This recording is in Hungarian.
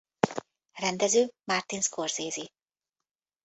Rendező Martin Scorsese.